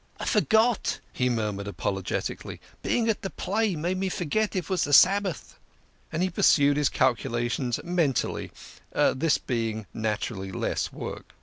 " I forgot," he murmured apologetically. " Being at de play made me forget it was de Sabbath." And he pursued his calculations mentally ; this being naturally less work.